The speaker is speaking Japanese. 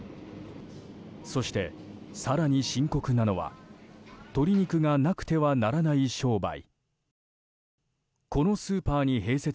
そして、更に深刻なのは鶏肉がなくてはならない商売。